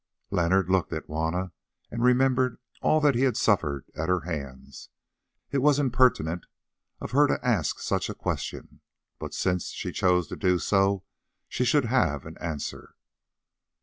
Leonard looked at Juanna and remembered all that he had suffered at her hands. It was impertinent of her to ask such a question, but since she chose to do so she should have an answer.